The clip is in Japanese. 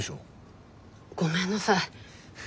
ごめんなさい。